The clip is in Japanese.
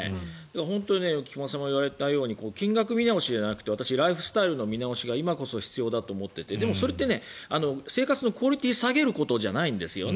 本当に菊間さんも言われたように金額見直しじゃなくてライフスタイルの見直しが今こそ必要だと思っていてでもそれって生活のクオリティーを下げることじゃないんですよね。